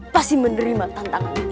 pasti menerima tantangan ini